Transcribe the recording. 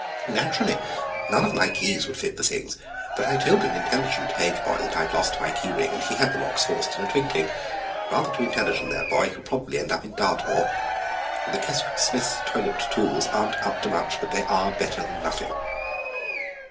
"Naturally, none of my keys would fit the things, but I told an intelligent page boy that I had lost my key ring, and he had the locks forced in a twinkling. Rather too intelligent, that boy; he will probably end in Dartmoor. The Kestrel Smith toilet tools aren't up to much, but they are better than nothing."